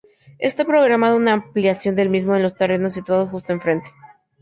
Esta programada una ampliación del mismo en los terrenos situados justo enfrente.